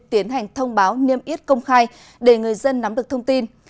tiến hành thông báo niêm yết công khai để người dân nắm được thông tin